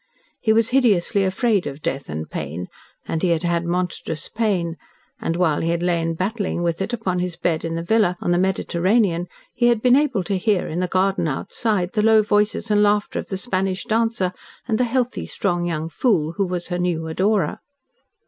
He was hideously afraid of death and pain, and he had had monstrous pain and while he had lain battling with it, upon his bed in the villa on the Mediterranean, he had been able to hear, in the garden outside, the low voices and laughter of the Spanish dancer and the healthy, strong young fool who was her new adorer.